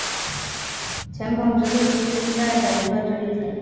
黔彭直隶厅是清代的一个直隶厅。